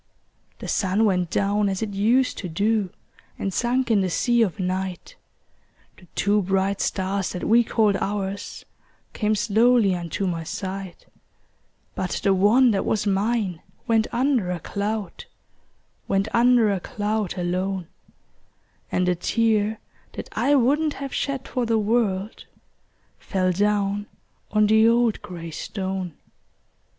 The sun went down as it used to do, And sunk in the sea of night; The two bright stars that we called ours Came slowly unto my sight; But the one that was mine went under a cloud— Went under a cloud, alone; And a tear that I wouldn't have shed for the world, Fell down on the old gray stone.